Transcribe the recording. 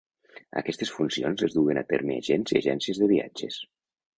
Aquestes funcions les duen a termes agents i agències de viatges.